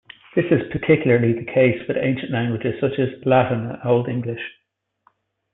This is particularly the case with ancient languages such as Latin and Old English.